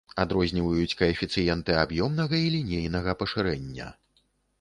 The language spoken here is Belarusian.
Адрозніваюць каэфіцыенты аб'ёмнага і лінейнага пашырэння.